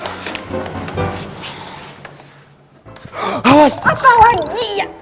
apalagi ya allah